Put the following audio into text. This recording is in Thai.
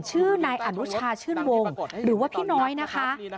ชื่อนายอนุชาชื่นวงหรือว่าพี่น้อยนะคะ